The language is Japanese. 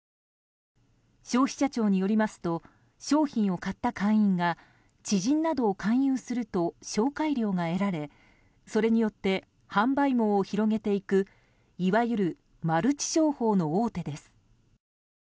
消費者庁によりますと商品を買った会員が知人などを勧誘すると紹介料が得られそれによって販売網を広げていくいわゆるマルチ商法の大手です。